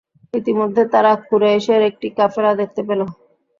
ইতিমধ্যে তারা কুরাইশের একটি কাফেলা দেখতে পেল।